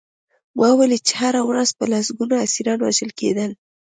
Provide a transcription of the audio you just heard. ما ولیدل چې هره ورځ به لسګونه اسیران وژل کېدل